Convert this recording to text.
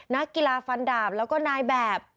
นักกีฬาฟันดาบแล้วก็นายแบบ